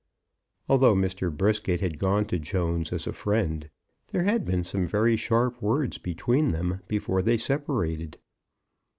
Although Mr. Brisket had gone to Jones as a friend, there had been some very sharp words between them before they separated.